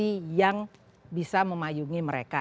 kondisi yang bisa memayungi mereka